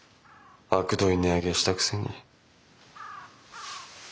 あくどい値上げしたくせに。